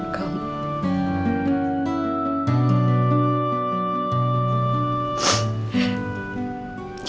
ibu gak akan pernah lupa malam itu ibu menemukan kamu